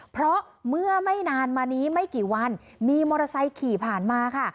เพราะเมื่อไม่นานมานี้ไม่กี่วันมีมอเตอร์ไซค์ขี่ผ่านมาค่ะ